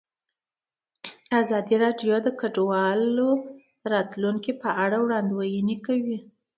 ازادي راډیو د کډوال د راتلونکې په اړه وړاندوینې کړې.